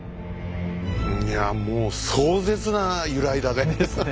いやもう壮絶な由来だね。ですね。